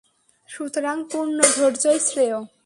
সুতরাং পূর্ণ ধৈর্যই শ্রেয়।